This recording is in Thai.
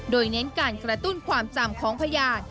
โดยเน้นการกระตุ้นความจำของพยาน